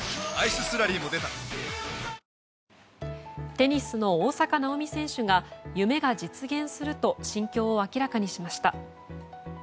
テニスの大坂なおみ選手が夢が実現すると心境を明らかにしました。